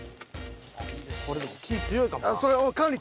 これでも火強いかもな。